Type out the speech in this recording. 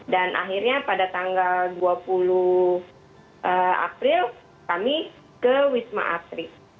dan akhirnya pada tanggal dua puluh april kami ke wisma atlet